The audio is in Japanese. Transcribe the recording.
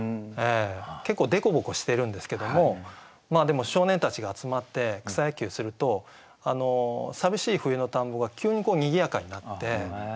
結構凸凹してるんですけどもでも少年たちが集まって草野球すると寂しい冬の田んぼが急にこうにぎやかになって。